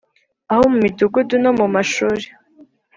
Aho mu midugudu no mu mashuri